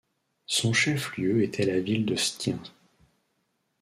Son chef-lieu était la ville de Stiens.